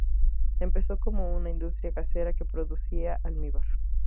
Empezó como una industria casera que producía almíbar.